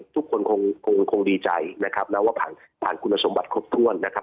ทุกคนคงดีใจนะครับนะว่าผ่านผ่านคุณสมบัติครบถ้วนนะครับ